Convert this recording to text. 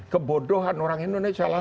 kebodohan orang indonesia